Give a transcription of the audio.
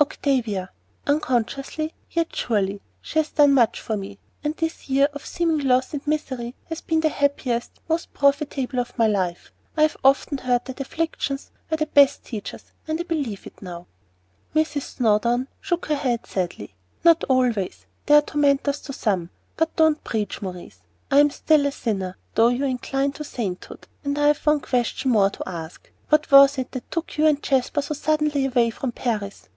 "Octavia. Unconsciously, yet surely, she has done much for me, and this year of seeming loss and misery has been the happiest, most profitable of my life. I have often heard that afflictions were the best teachers, and I believe it now." Mrs. Snowdon shook her head sadly. "Not always; they are tormentors to some. But don't preach, Maurice. I am still a sinner, though you incline to sainthood, and I have one question more to ask. What was it that took you and Jasper so suddenly away from Paris?"